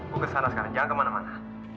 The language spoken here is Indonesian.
gue ke sana sekarang jangan ke mana mana